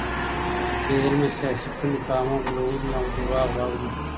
بې علمه سياسي کړني په عامه غولوني او درواغو اوړي.